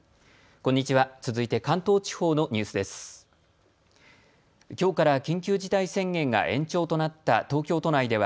こんにちは。